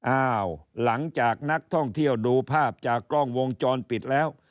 อ้าวหลังจากนักท่องเที่ยวดูภาพจากกล้องวงจรปิดแล้ว